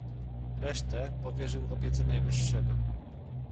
"Resztę powierzył opiece Najwyższego."